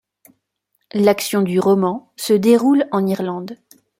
L'action du roman se déroule en Irlande.